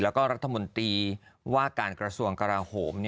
แล้วก็รัฐมนตรีว่าการกระทรวงกราโหม